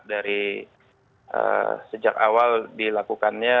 dari sejak awal dilakukannya